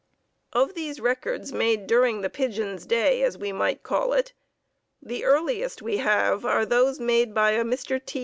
Of these records made during the pigeons' day, as we might call it, the earliest we have are those made by a Mr. T.